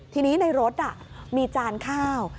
ทีนี้ในรถมีจานข้าว